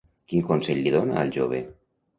Quin consell li dona al jove?